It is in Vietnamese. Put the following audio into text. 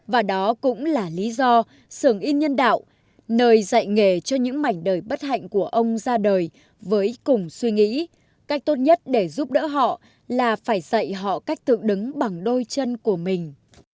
và đó cũng là lý do xưởng in nhân đạo nơi dạy nghề cho những mảnh đời bất hạnh của ông ra đời với cùng suy nghĩ cách tốt nhất để giúp đỡ họ là phải dạy họ cách tự đứng bằng đôi chân của mình